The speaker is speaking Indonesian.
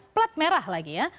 pelat merah lagi ya